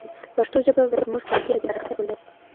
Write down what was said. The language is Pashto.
پښتو ژبه به زموږ په دې هڅه کې برکت ولري.